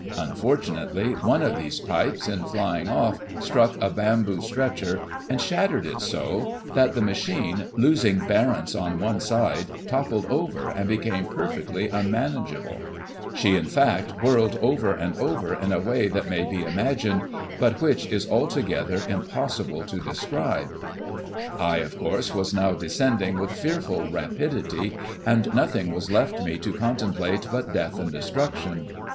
Unfortunately, one of these pipes, in flying off, struck a bamboo stretcher, and shattered it so, that the machine, losing bearance on one side, toppled over and became perfectly unmanageable ; she, in fact, whirled over and over in a way that may be imagined, but which it is altogether impossible to describe. I, of course, was now descending with fearful rapidity, and nothing was left me to contemplate but death and destruction.